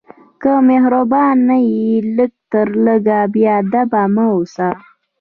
که مهربان نه یې، لږ تر لږه بېادبه مه اوسه.